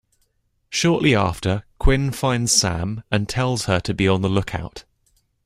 Shortly after, Quinn finds Sam and tells her to be on the lookout.